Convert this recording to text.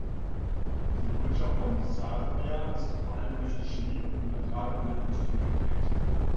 Die Wirtschaft von Sarnia ist vor allem durch die Chemie- und Mineralölindustrie geprägt.